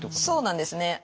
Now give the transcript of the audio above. そうなんですね。